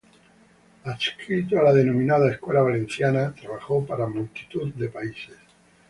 Adscrito a la denominada Escuela Valenciana, trabajó para multitud de países.